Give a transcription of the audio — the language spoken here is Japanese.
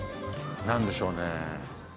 なんでしょうね。